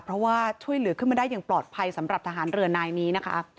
เพราะว่าช่วยเหลือขึ้นมาได้อย่างปลอดภัยสำหรับทหารเรือนายนี้นะคะ